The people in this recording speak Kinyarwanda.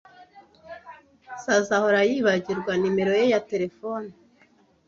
Sazae ahora yibagirwa numero ye ya terefone.